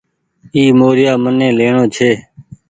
اي موريآ مني ليڻو ڇي۔